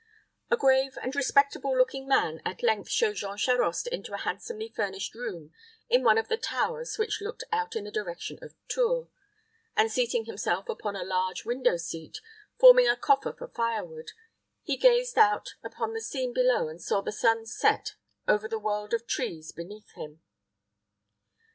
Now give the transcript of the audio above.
A grave and respectable looking man at length showed Jean Charost into a handsomely furnished room in one of the towers which looked out in the direction of Tours; and, seating himself upon a large window seat, forming a coffer for firewood, he gazed out upon the scene below and saw the sun set over the world of trees beneath him.